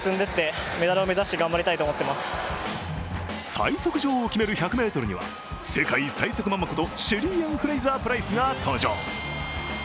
最速女王を決める１００ｍには世界最速ママことシェリーアン・フレイザープライスが登場。